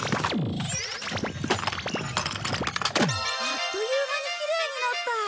あっという間にきれいになった！